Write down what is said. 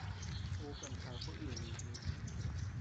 Uu kanbaku iyu chi kuchi.